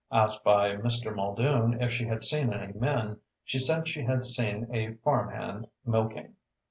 Asked by Mr. Muldoon if she had seen any men, she said she had seen a farmhand milking.